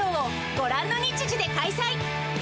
ご覧の日時で開催。